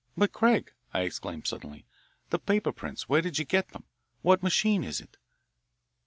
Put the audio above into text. "But, Craig," I exclaimed suddenly, "the paper prints, where did you get them? What machine is it?"